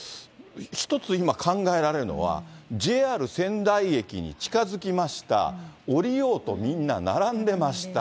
一つ今、考えられるのは、ＪＲ仙台駅に近づきました、降りようとみんな並んでました。